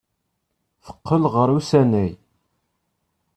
Teqqel ɣer usanay.